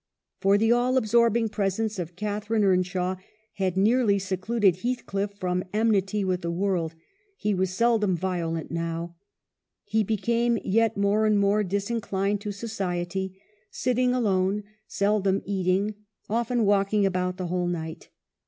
For the all absorbing presence of Catharine Earnshaw had nearly secluded Heathcliff from enmity with the world ; he was seldom violent now. He became yet more and more disin clined to society, sitting alone, seldom eating, often walking about the whole night.